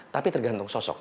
tapi tergantung sosok